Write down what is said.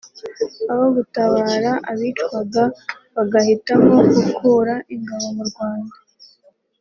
aho gutabara abicwaga bagahitamo gukura ingabo mu Rwanda